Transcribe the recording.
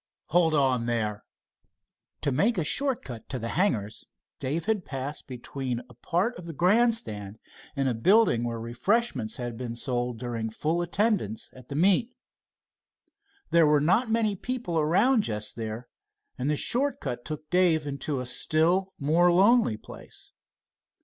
"Hold on there!" To make a short cut to the hangars, Dave had passed between a part of the grandstand and a building where refreshments had been sold during full attendance at the meet. There were not many people around just there, and this short cut took Dave into a still more lonely space.